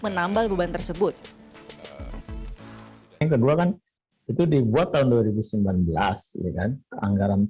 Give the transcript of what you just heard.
menambah beban tersebut yang kedua kan itu dibuat tahun dua ribu sembilan belas dengan anggaran empat ratus enam puluh enam